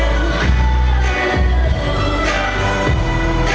สวัสดีครับ